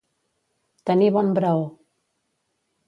Tenir bon braó.